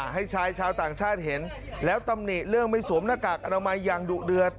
ให้ชายชาวต่างชาติเห็นแล้วตำหนิเรื่องไม่สวมหน้ากากอนามัยอย่างดุเดือด